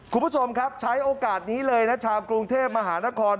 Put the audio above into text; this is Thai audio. คุณผู้ชมครับใช้โอกาสนี้เลยนะชาวกรุงเทพมหานคร